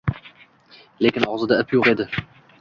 Lekin og`zida ip yo`q edi